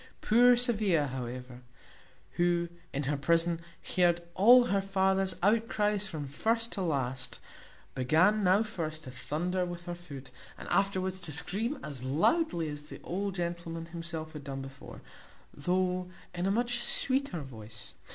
Poor Sophia, however, who, in her prison, heard all her father's outcries from first to last, began now first to thunder with her foot, and afterwards to scream as loudly as the old gentleman himself had done before, though in a much sweeter voice.